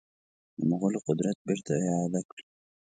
د مغولو قدرت بیرته اعاده کړي.